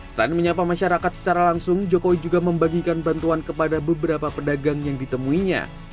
selain menyapa masyarakat secara langsung jokowi juga membagikan bantuan kepada beberapa pedagang yang ditemuinya